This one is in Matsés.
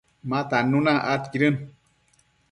ma tannuna aidquidën